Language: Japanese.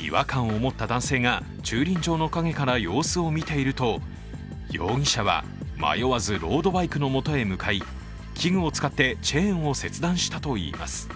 違和感を持った男性が駐輪場の陰から様子を見ていると容疑者は迷わずロードバイクのもとへ向かい器具を使ってチェーンを切断したといいます。